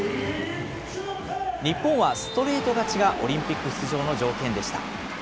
日本はストレート勝ちがオリンピック出場の条件でした。